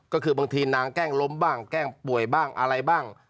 ก็คือบางทีนางแกล้งล้มบ้างแกล้งป่วยบ้างอะไรบ้าง